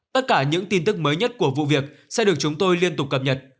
tất cả những tin tức mới nhất của vụ việc sẽ được chúng tôi liên tục cập nhật